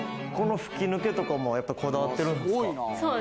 吹き抜けとかもこだわってるんですか？